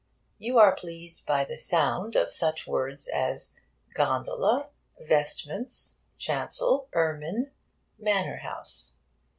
You are pleased by the sound of such words as gondola, vestments, chancel, ermine, manor house.